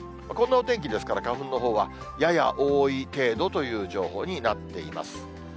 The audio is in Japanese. こんなお天気ですから、花粉のほうはやや多い程度という情報になっています。